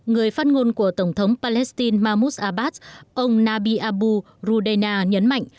người phát ngôn của tổng thống palestine mahmoud abbas ông nabi abu rodena nhấn mạnh